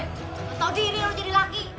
gak tau diri lu jadi laki